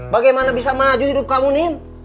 bagaimana bisa maju hidup kamu nih